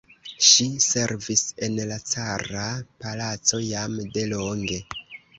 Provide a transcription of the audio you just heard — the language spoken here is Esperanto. Ŝi servis en la cara palaco jam de longe.